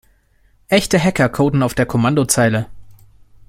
Echte Hacker coden auf der Kommandozeile.